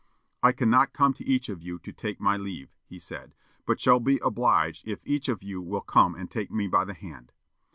"I cannot come to each of you to take my leave," he said, "but shall be obliged if each of you will come and take me by the hand."